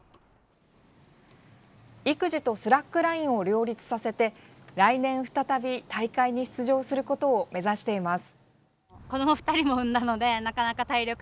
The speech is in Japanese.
育児とスラックラインを両立させて来年、再び大会に出場することを目指しています。